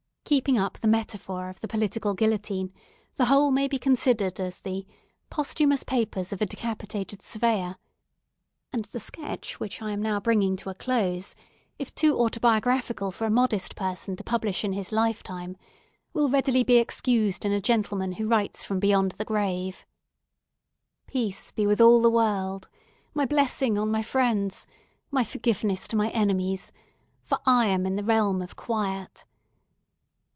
Keeping up the metaphor of the political guillotine, the whole may be considered as the POSTHUMOUS PAPERS OF A DECAPITATED SURVEYOR: and the sketch which I am now bringing to a close, if too autobiographical for a modest person to publish in his lifetime, will readily be excused in a gentleman who writes from beyond the grave. Peace be with all the world! My blessing on my friends! My forgiveness to my enemies! For I am in the realm of quiet!